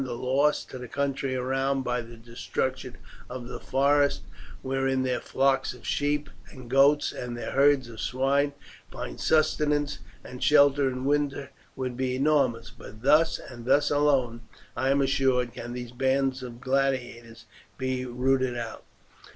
The loss to the country around by the destruction of the forests, wherein their flocks of sheep and goats and their herds of swine find sustenance and shelter in winter, would be enormous, but thus, and thus alone, I am assured, can these bands of gladiators be rooted out."